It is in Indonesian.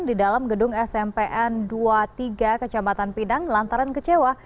di dalam gedung smpn dua puluh tiga kecamatan pinang lantaran kecewa